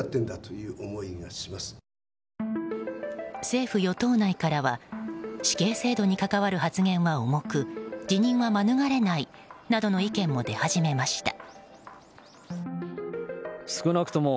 政府・与党内からは死刑制度に関わる発言は重く辞任は免れないなどの意見も出始めました。